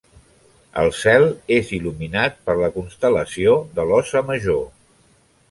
El cel és il·luminat per la constel·lació de l'Óssa Major.